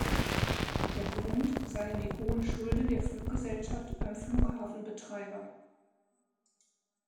Der Grund seien die hohen Schulden der Fluggesellschaft beim Flughafenbetreiber.